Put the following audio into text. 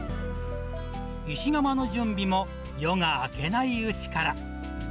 石窯の準備も、夜が明けないうちから。